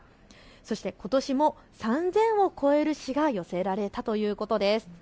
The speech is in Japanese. そしてことしも３０００を超える詩が寄せられたということです。